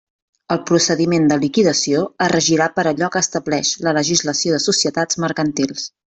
El procediment de liquidació es regirà per allò que estableix la legislació de societats mercantils.